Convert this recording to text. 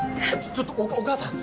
ちょっとお母さん。